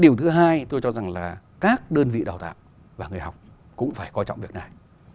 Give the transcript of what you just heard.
điều thứ hai tôi cho rằng là các đơn vị đào tạo và người học cũng phải coi trọng việc này